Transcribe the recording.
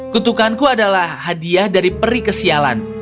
kutukanku adalah hadiah dari peri kesialan